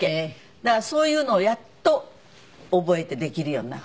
だからそういうのをやっと覚えてできるようになった。